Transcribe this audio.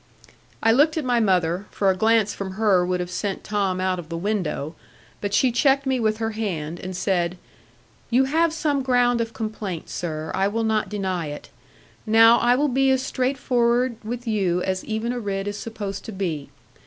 I looked at my mother; for a glance from her would have sent Tom out of the window; but she checked me with her hand, and said, 'You have some ground of complaint, sir; I will not deny it. Now I will be as straight forward with you, as even a Ridd is supposed to be.